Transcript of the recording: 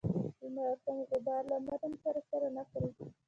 د مرحوم غبار له متن سره سر نه خوري.